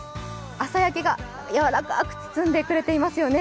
朝焼けがやわらかく包んでくれていますよね。